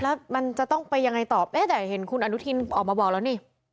แล้วมันจะต้องไปยังไงต่อเอ๊ะแต่เห็นคุณอนุทินออกมาบอกแล้วนี่